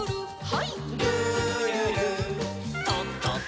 はい。